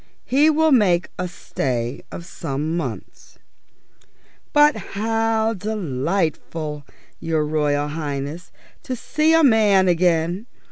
He will make a stay of some months." "But how delightful, your Royal Highness, to see a man again!